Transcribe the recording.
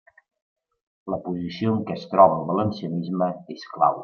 La posició en què es troba el valencianisme és clau.